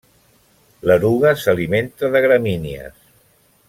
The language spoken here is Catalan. L'eruga s'alimenta de gramínies.